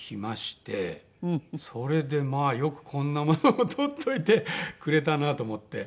それでまあよくこんなものを取っといてくれたなと思って。